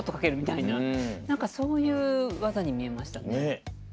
何かそういう技に見えましたね。